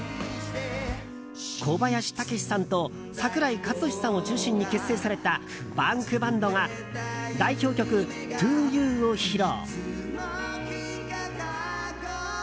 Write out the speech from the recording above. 小林武史さんと桜井和寿さんを中心に結成されたＢａｎｋＢａｎｄが代表曲「ｔｏＵ」を披露。